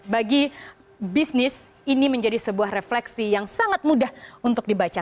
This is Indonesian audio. bagi bisnis ini menjadi sebuah refleksi yang sangat mudah untuk dibaca